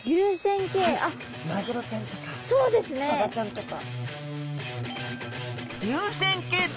マグロちゃんとかサバちゃんとか。